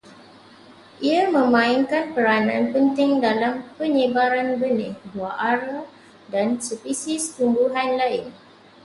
Ia memainkan peranan penting dalam penyebaran benih buah ara dan spesies tumbuhan lain